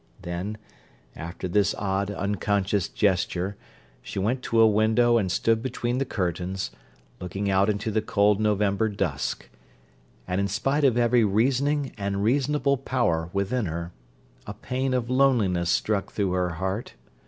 Then, after this odd, unconscious gesture, she went to a window and stood between the curtains, looking out into the cold November dusk; and in spite of every reasoning and reasonable power within her, a pain of loneliness struck through her heart.